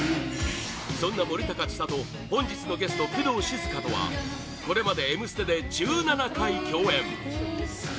そんな森高千里本日のゲスト、工藤静香とはこれまで「Ｍステ」で１７回共演